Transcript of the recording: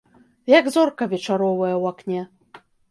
Як зорка вечаровая ў акне.